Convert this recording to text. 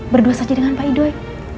berdua saja dengan pak idoy